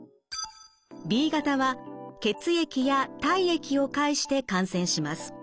Ｂ型は血液や体液を介して感染します。